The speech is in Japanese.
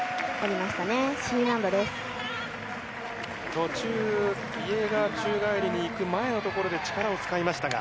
途中、宙返りにいく前のところで、力を使いましたが。